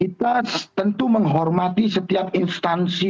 kita tentu menghormati setiap instansi